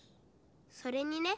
それにね